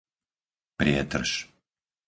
Prietrž